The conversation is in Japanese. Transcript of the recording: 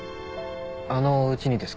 あのおうちにですか？